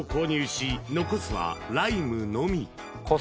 し残すはライムのみ！